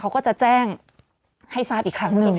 เขาก็จะแจ้งให้ทราบอีกครั้งหนึ่ง